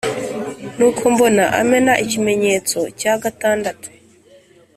Nuko mbona amena ikimenyetso cya gatandatu,